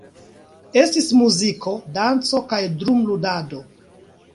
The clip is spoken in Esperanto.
Estis muziko, danco kaj drum-ludado.